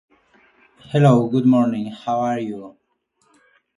The link layer signals to the transport layer that there is incoming data available.